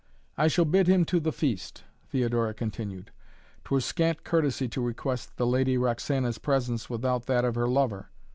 "I shall bid him to the feast," Theodora continued. "'Twere scant courtesy to request the Lady Roxaná's presence without that of her lover.